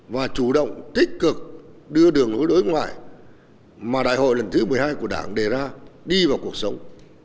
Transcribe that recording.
và chủ động tích cực đưa đường lối đối ngoại mà đại hội lần thứ một mươi hai của đảng đề ra đi vào cuộc sống